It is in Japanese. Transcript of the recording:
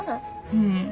うん。